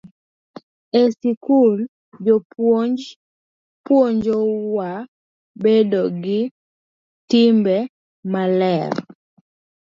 E skul, jopuonj puonjowa bedo gi timbe maler.